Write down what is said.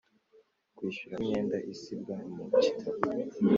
Kwishyura imyenda isibwa mu gitabo